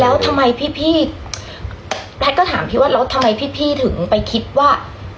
แล้วทำไมพี่แพทย์ก็ถามพี่ว่าแล้วทำไมพี่ถึงไปคิดว่า